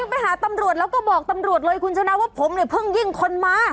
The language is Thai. ไปหาตำรวจแล้วก็บอกตำรวจเลยคุณชนะว่าผมเนี่ยเพิ่งยิ่งคนมา